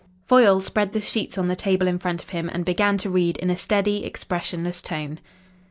Foyle spread the sheets on the table in front of him and began to read in a steady, expressionless tone.